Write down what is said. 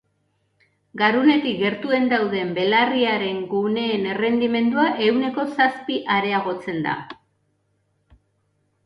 Garunetik gertuen dauden belarriaren guneen erredimendua ehuneko zazpi areagotzen da.